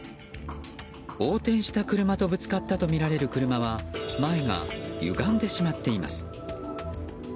横転した車とぶつかったとみられる車は前がゆがんでしまっています。